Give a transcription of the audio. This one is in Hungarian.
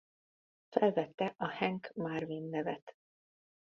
Felvette a Hank Marvin nevet.